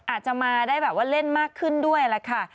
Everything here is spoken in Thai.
อาจจะมาได้แบบว่าเล่นมากขึ้นด้วยล่ะค่ะ